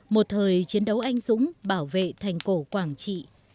một thời chiến đấu anh dũng bảo vệ thành cổ quảng trị